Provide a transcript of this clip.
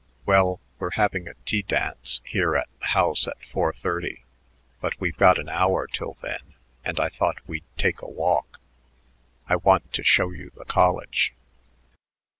"Well, we're having a tea dance here at the house at four thirty; but we've got an hour till then, and I thought we'd take a walk. I want to show you the college."